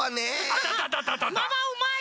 あママうまい！